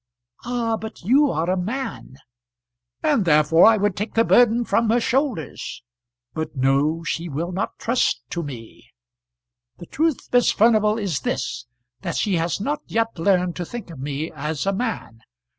"Ah! but you are a man." "And therefore I would take the burden from her shoulders. But no; she will not trust to me. The truth, Miss Furnival, is this, that she has not yet learned to think of me as a man.